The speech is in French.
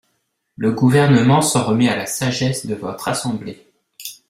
Le Gouvernement s’en remet à la sagesse de votre assemblée.